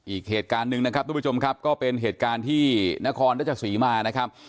อีกเหตุการณ์หนึ่งนะครับทุกผู้ชมครับก็เป็นเหตุการณ์ที่นครราชสีมานะครับ